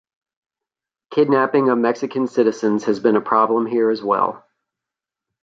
Kidnapping of Mexican citizens has been a problem here as well.